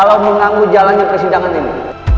sampai jumpa di video selanjutnya